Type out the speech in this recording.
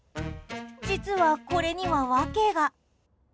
実は、これには訳が。